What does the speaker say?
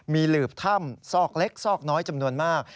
มีหลืบถ้ำซอกเล็กซอกน้อยจำนวนมาก